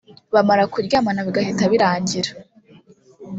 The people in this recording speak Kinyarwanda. bamara kuryamana bigahita birangira